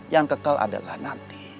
yang kekal adalah nanti